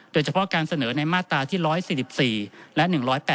โดยเฉพาะการเสนอในมาตราที่๑๔๔และ๑๘๘